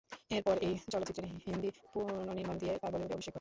এরপর এই চলচ্চিত্রের "হিন্দি পুনর্নির্মাণ" দিয়ে তার বলিউডে অভিষেক ঘটে।